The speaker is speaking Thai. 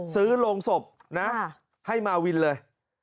โรงศพนะให้มาวินเลย